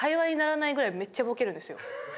めっちゃボケるんですよ。